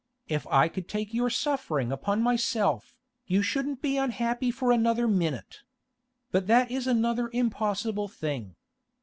If I could take your suffering upon myself, you shouldn't be unhappy for another minute. But that is another impossible thing.